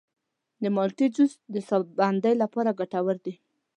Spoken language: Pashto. د مالټې جوس د ساه بندۍ لپاره ګټور دی.